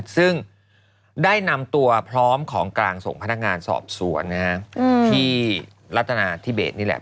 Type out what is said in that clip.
ซึ่งได้นำตัวพร้อมของกลางส่งพนักงานสอบสวนที่รัฐนาธิเบสนี่แหละ